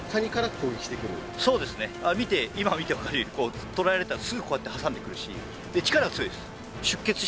今見てわかるように捕らえられたらすぐこうやって挟んでくるし。